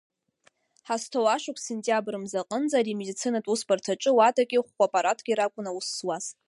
Ҳазҭоу ашықәс сентиабр мза аҟынӡа ари амедицинатә усбарҭа аҿы уадаки хә-аппаратки ракун аус зуаз.